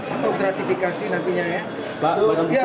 itu gratifikasi nantinya ya